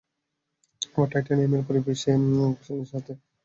আবার টাইটেনিয়াম পরিবেশের অক্সিজেনের সাথে বিক্রিয়া করে দুর্বল হয়ে যায়।